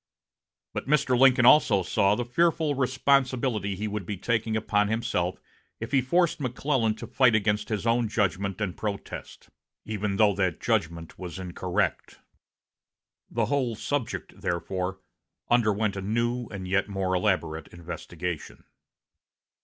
But Mr. Lincoln also saw the fearful responsibility he would be taking upon himself if he forced McClellan to fight against his own judgment and protest, even though that judgment was incorrect. The whole subject, therefore, underwent a new and yet more elaborate investigation.